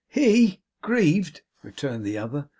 'HE grieved!' returned the other.